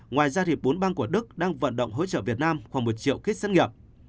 ngoài ra bốn bang của đức đang vận động hỗ trợ việt nam khoảng một triệu kit sát nghiệp